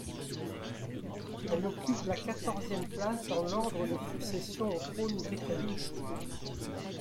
Elle occupe la quatorzième place dans l'ordre de succession au trône britannique.